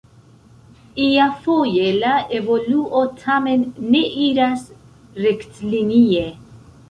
Iafoje la evoluo tamen ne iras rektlinie.